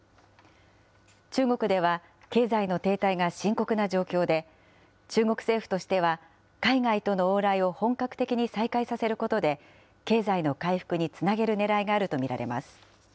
中国では、経済の停滞が深刻な状況で、中国政府としては、海外との往来を本格的に再開させることで、経済の回復につなげるねらいがあると見られます。